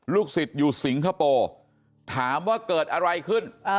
ศิษย์อยู่สิงคโปร์ถามว่าเกิดอะไรขึ้น